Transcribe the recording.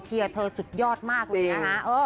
เชียร์เธอสุดยอดมากเลยนะคะ